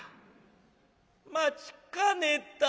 「待ちかねた」。